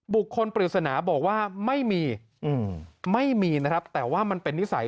ปริศนาบอกว่าไม่มีไม่มีนะครับแต่ว่ามันเป็นนิสัย